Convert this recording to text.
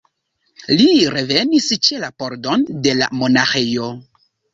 Li revenis ĉe la pordon de la monaĥejo.